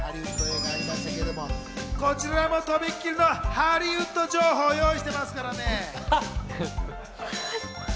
こちらもとびっきりのハリウッド情報を用意してます。